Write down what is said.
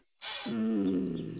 うん。